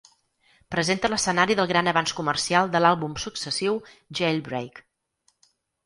Presenta l'escenari del gran avanç comercial de l'àlbum successiu, "Jailbreak".